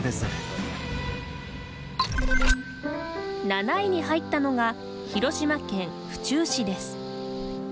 ７位に入ったのが広島県府中市です。